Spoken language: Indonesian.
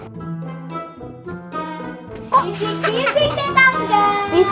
bisik bisik tetap guys